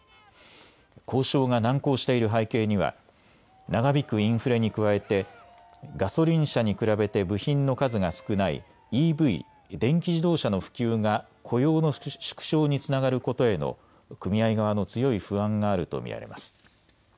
交渉が難航している背景には長引くインフレに加えてガソリン車に比べて部品の数が少ないＥＶ・電気自動車の普及が雇用の縮小につながることへの組合側の強い不安があると見られます。